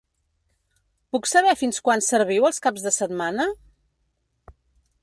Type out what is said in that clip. Puc saber fins quan serviu els caps de setmsna,?